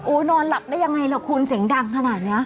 นอนหลับได้ยังไงล่ะคุณเสียงดังขนาดนี้